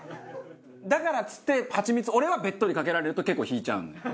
だからっつってハチミツ俺はべっとりかけられると結構引いちゃうんだよね。